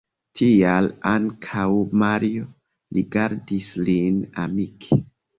Tial ankaŭ Mario rigardis lin amike.